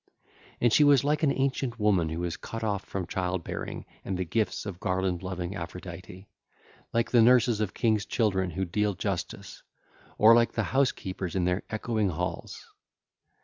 And she was like an ancient woman who is cut off from childbearing and the gifts of garland loving Aphrodite, like the nurses of king's children who deal justice, or like the house keepers in their echoing halls.